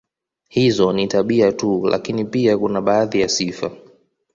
Hizo ni tabia tu lakini pia kuna baadhi ya sifa